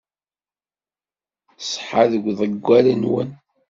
Ṣṣeḥa deg uḍeggal-nwen.